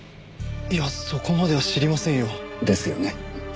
いやそこまでは知りませんよ。ですよね。